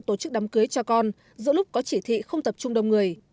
tổ chức đám cưới cho con giữa lúc có chỉ thị không tập trung đông người